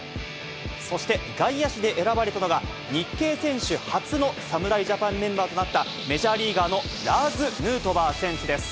そして外野手で選ばれたのが、日系選手初の侍ジャパンメンバーとなった、メジャーリーガーのラーズ・ヌートバー選手です。